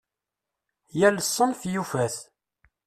Yal ssenf yufa-t.